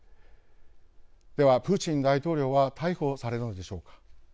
では、プーチン大統領は逮捕されるのでしょうか。